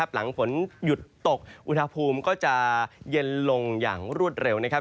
หลังฝนหยุดตกอุณหภูมิก็จะเย็นลงอย่างรวดเร็วนะครับ